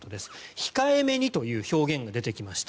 控えめにという表現が出てきました。